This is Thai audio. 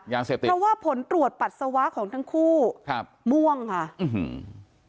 ยาเสพติดเพราะว่าผลตรวจปัสสาวะของทั้งคู่ครับม่วงค่ะอื้อหือ